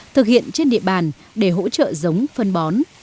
thực hiện trên địa bàn để hỗ trợ giống phân bó